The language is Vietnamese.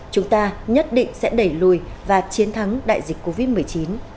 chúng ta nhất định sẽ đẩy lùi và chiến thắng đại dịch covid một mươi chín